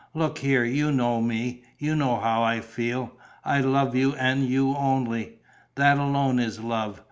Look here, you know me: you know how I feel. I love you and you only. That alone is love.